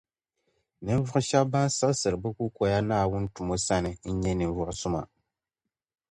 Ninvuɣu shεba ban siɣisiri bɛ kukoya Naawuni tumo sani n nyɛ ninvuɣu suma.